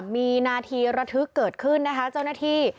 มีนาทีระทึกเกิดขึ้นนะคะเจ้าหน้าที่